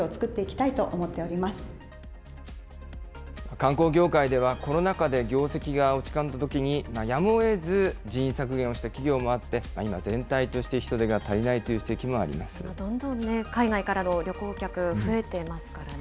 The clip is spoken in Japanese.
観光業界ではコロナ禍で業績が落ち込んだときにやむをえず人員削減をした企業もあって、今、全体として人手が足りないというどんどん海外からの旅行客、増えてますからね。